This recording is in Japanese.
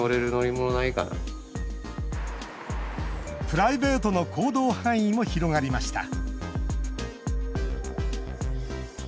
プライベートの行動範囲も広がりました。